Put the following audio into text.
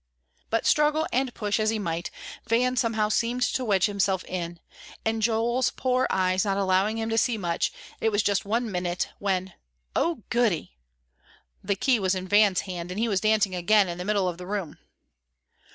But struggle and push as he might, Van somehow seemed to wedge himself in; and Joel's poor eyes not allowing him to see much, it was just one minute, when "O goody!" The key was in Van's hand, and he was dancing again in the middle of the room.